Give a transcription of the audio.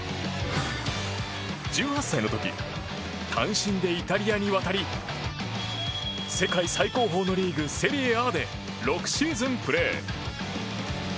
１８歳の時単身でイタリアに渡り世界最高峰のリーグセリエＡで６シーズン、プレー。